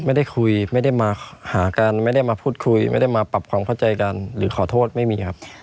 ไม่ได้คุยไม่ได้มาหากันไม่ได้มาพูดคุยไม่ได้มาปรับความเข้าใจกันหรือขอโทษไม่มีครับ